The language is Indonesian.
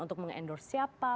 untuk mengendorse siapa